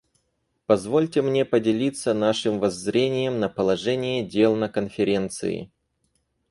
Позвольте мне поделиться нашим воззрением на положение дел на Конференции.